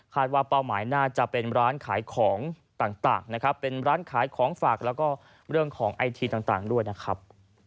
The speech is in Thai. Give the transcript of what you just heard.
ว่าเป้าหมายน่าจะเป็นร้านขายของต่างนะครับเป็นร้านขายของฝากแล้วก็เรื่องของไอทีต่างด้วยนะครับ